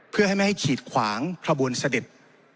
เพื่อให้ไม่ให้ขีดขวางขบวนเสด็จ